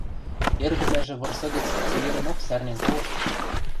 Эргывлӓжӹ вырсы гӹц цеверӹнок сӓрнен толыштыш.